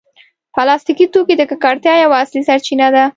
پلاستيکي توکي د ککړتیا یوه اصلي سرچینه ده.